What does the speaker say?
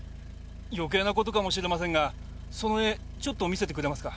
余計な事かもしれませんがその絵ちょっと見せてくれますか？